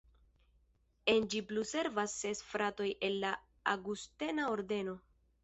En ĝi plu servas ses fratoj el la aŭgustena ordeno.